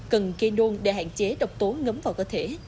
cần kê đôn để hạn chế độc tố ngấm vào cơ thể